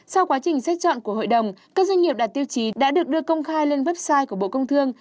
sau quá trình xét chọn của hội đồng các doanh nghiệp đạt tiêu chí đã được đưa công khai lên website của bộ công thương